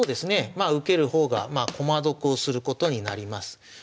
まあ受ける方が駒得をすることになります。